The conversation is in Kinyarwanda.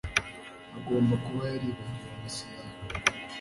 Agomba kuba yaribagiwe amasezerano